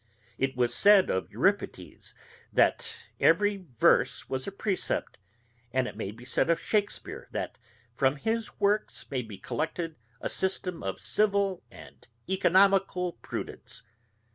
It was said of Euripides, that every verse was a precept; and it may be said of Shakespeare, that from his works may be collected a system of civil and oeconomical prudence.